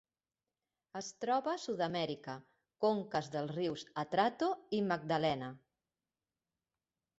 Es troba a Sud-amèrica: conques dels rius Atrato i Magdalena.